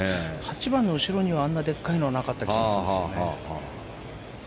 ８番の後ろにはあんなでっかいのはなかった気がするんですよね。